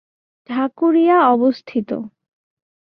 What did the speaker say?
ঢাকুরিয়া অবস্থিত।